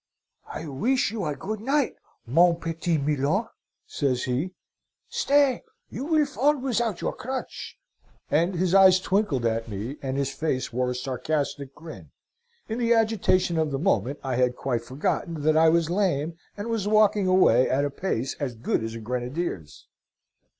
'I wish you a good night, mon petit milor,' says he, 'stay, you will fall without your crutch,' and his eyes twinkled at me, and his face wore a sarcastic grin. In the agitation of the moment I had quite forgotten that I was lame, and was walking away at a pace as good as a grenadier's.